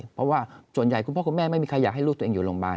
เพราะว่าส่วนใหญ่คุณพ่อคุณแม่ไม่มีใครอยากให้ลูกตัวเองอยู่โรงพยาบาล